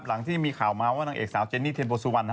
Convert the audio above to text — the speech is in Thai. หลังที่มีข่าวมาว่านางเอกสาวเจนี่เทนโบซุวัน